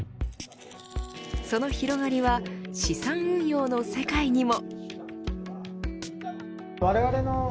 その広がりは資産運用の世界にも。